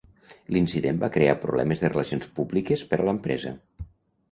L'incident va crear problemes de relacions públiques per a l'empresa.